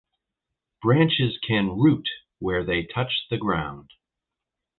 Branches can root where they touch the ground.